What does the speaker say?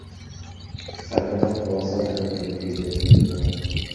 Сальвадор тубаса жүрөк кемтиги илдети менен ооруйт.